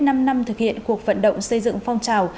năm năm thực hiện cuộc vận động xây dựng phong trào